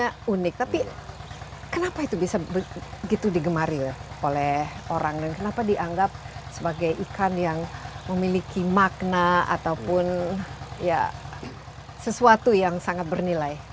karena unik tapi kenapa itu bisa begitu digemari oleh orang dan kenapa dianggap sebagai ikan yang memiliki makna ataupun ya sesuatu yang sangat bernilai